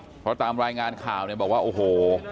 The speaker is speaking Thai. เพราะตามรายงานข่าวเนี่ยบอกว่าโอ้โห